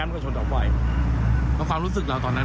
มันมากับเราโดยตรงโดดเราโดยตรง